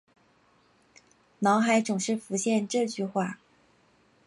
脑海总是浮现这句话